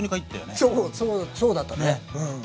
そうそうだったねうん。